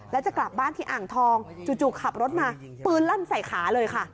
แล้วจะกลับบ้านที่อ่างทองจู่ขับรถมาปืนลั่นใส่ขาเลยค่ะ